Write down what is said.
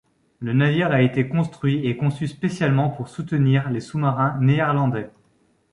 Le navire a été construit et conçu spécialement pour soutenir les sous-marins néerlandais.